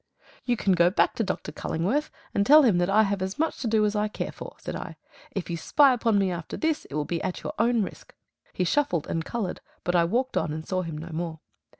"You can go back to Dr. Cullingworth, and tell him that I have as much to do as I care for," said I. "If you spy upon me after this it will be at your own risk." He shuffled and coloured, but I walked on and saw him no more.